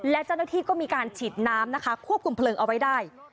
และเจ้าหน้าที่ก็มีการฉีดน้ำนะคะควบคุมเพลิงเอาไว้ได้